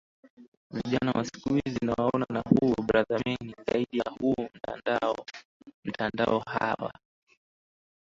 vijana wa siku hivi nawaona na huu ubrothermeni zaidi huu mtandao mtandao hawa